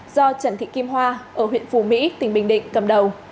do trần thị kim hoa ở huyện phù mỹ tỉnh bình định cầm đầu